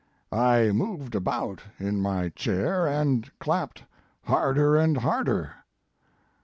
I moved about in my chair and clapped harder and harder.